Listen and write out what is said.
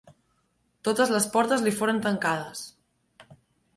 Totes les portes li foren tancades.